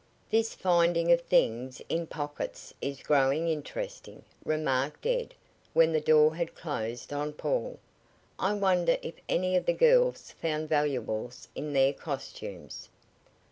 "This finding of things in pockets is growing interesting," remarked Ed when the door had closed on Paul. "I wonder if any of the girls found valuables in their costumes?"